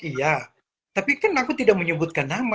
iya tapi kenapa tidak menyebutkan nama